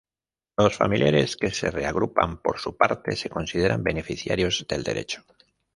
Los familiares que se reagrupan, por su parte, se consideran beneficiarios del derecho.